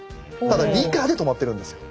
ただ理科で止まってるんですよ。